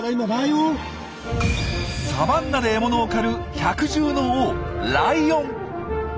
サバンナで獲物を狩る百獣の王ライオン。